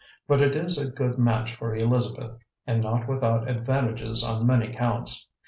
But it is a good match for Elizabeth and not without advantages on many counts.